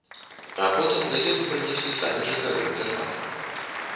А потым газету прынеслі самі жыхары інтэрната.